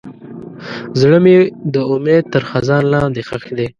زړه مې د امید تر خزان لاندې ښخ دی.